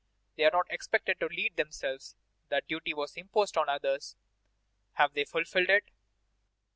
They were not expected to lead themselves; that duty was imposed on others; have they fulfilled it?"